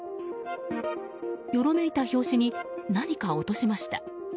よろめいた拍子に何か落としました。